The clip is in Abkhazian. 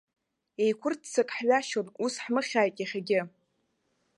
Еиқәырццак ҳҩашьон, ус ҳмыхьааит иахьагьы.